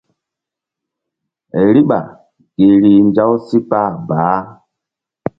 Riɓa gi rih nzaw si kpah baah.